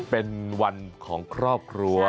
เป็นวันของครอบครัว